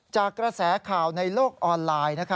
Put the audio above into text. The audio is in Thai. จากกระแสข่าวในโลกออนไลน์